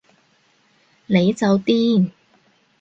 你就癲